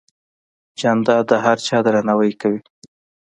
جانداد د هر چا درناوی کوي.